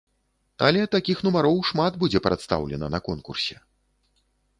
Але такіх нумароў шмат будзе прадстаўлена на конкурсе.